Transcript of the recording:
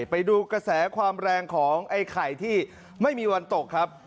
ไปดูกระแสความแรงของไอ้ไข่ที่ไม่มีวันตกครับ